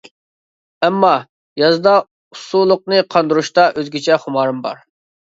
ئەمما، يازدا ئۇسسۇلۇقنى قاندۇرۇشتا ئۆزگىچە خۇمارىم بار.